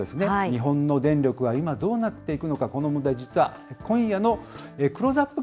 日本の電力は今どうなっていくのか、この問題、実は今夜のクローズアップ